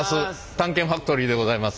「探検ファクトリー」でございます。